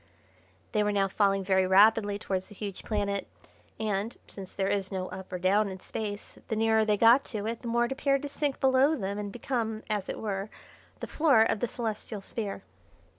They were now falling very rapidly towards the huge planet, and, since there is no up or down in Space, the nearer they got to it the more it appeared to sink below them and become, as it were, the floor of the Celestial Sphere.